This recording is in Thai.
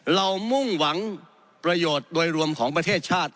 มุ่งหวังประโยชน์โดยรวมของประเทศชาติ